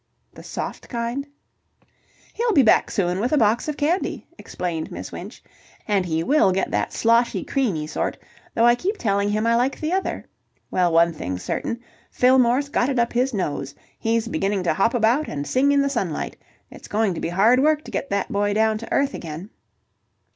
"The soft kind." "He'll be back soon with a box of candy," explained Miss Winch, "and he will get that sloshy, creamy sort, though I keep telling him I like the other. Well, one thing's certain. Fillmore's got it up his nose. He's beginning to hop about and sing in the sunlight. It's going to be hard work to get that boy down to earth again."